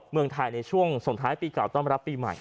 เมืองไทยในช่วงส่งท้ายปีเก่าต้อนรับปีใหม่